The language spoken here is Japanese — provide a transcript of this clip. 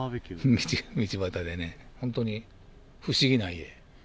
道端でね、本当に不思議な家。